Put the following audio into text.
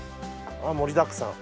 盛りだくさん。